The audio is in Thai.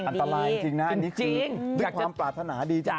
อันตรายจริงนะอันนี้คือด้วยความปรารถนาดีจริง